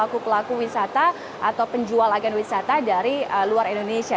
tapi juga mendatangkan sellers atau pelaku pelaku wisata atau penjual agen wisata dari luar indonesia